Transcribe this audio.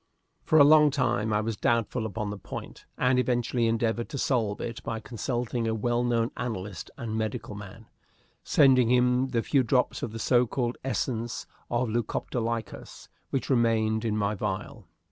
For a long time I was doubtful upon the point, and eventually endeavored to solve it by consulting a well known analyst and medical man, sending him the few drops of the so called essence of Lucoptolycus which remained in my vial.